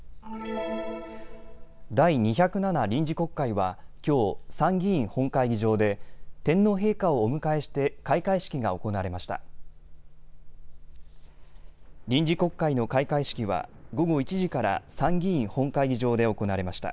第２０７臨時国会はきょう参議院本会議場で天皇陛下をお迎えして開会式が行われました。